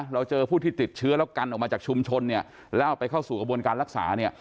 เราเจอผู้ที่ติดเชื้อแล้วกันออกมาจากชุมชนเนี่ยแล้วเอาไปเข้าสู่กระบวนการรักษาเนี่ย